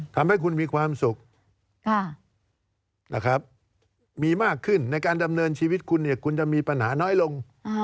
ทำให้คุณมีความสุขมีมากขึ้นในการดำเนินชีวิตคุณเนี่ยคุณจะมีปัญหาน้อยลง